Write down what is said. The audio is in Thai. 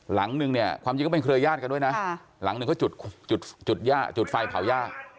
หลังนึงเนี่ยความจริงก็เป็นเครือยาศกันด้วยนะหลังหนึ่งเขาจุดไฟเผาหญ้า